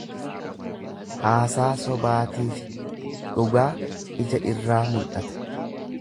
Haasaa sobaatifi dhugaa ija irraa mul'ata.